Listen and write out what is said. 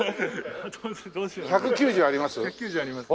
１９０あります？